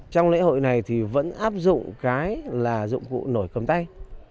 trong lễ hội này thì vẫn áp dụng cái là dụng cụ nổi cầm tay